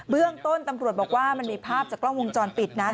เรื่องต้นตำรวจบอกว่ามันมีภาพจากกล้องวงจรปิดนะ